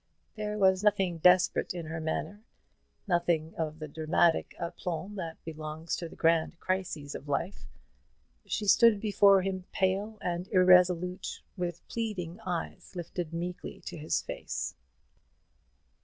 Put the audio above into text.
There was nothing desperate in her manner nothing of the dramatic aplomb that belongs to the grand crises of life. She stood before him pale and irresolute, with pleading eyes lifted meekly to his face.